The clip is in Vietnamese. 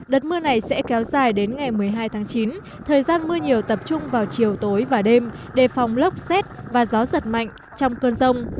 đợt mưa này sẽ kéo dài đến ngày một mươi hai tháng chín thời gian mưa nhiều tập trung vào chiều tối và đêm đề phòng lốc xét và gió giật mạnh trong cơn rông